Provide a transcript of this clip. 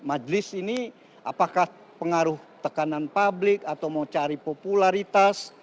majlis ini apakah pengaruh tekanan publik atau mau cari popularitas